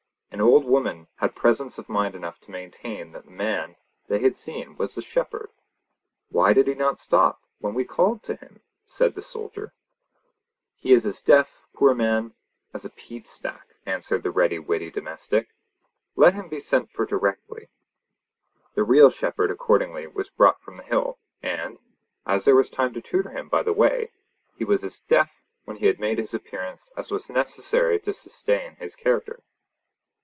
An old woman had presence of mind enough to maintain that the man they had seen was the shepherd. 'Why did he not stop when we called to him?' said the soldier. 'He is as deaf, poor man, as a peat stack,' answered the ready witted domestic. 'Let him be sent for directly.' The real shepherd accordingly was brought from the hill, and, as there was time to tutor him by the way, he was as deaf when he made his appearance as was necessary to sustain his character.